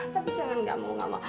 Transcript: tapi jangan gak mau